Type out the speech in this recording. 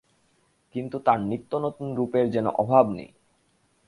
কিন্তু তার নিত্যনতুন রূপের যেন অভাব নেই।